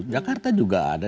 jakarta juga ada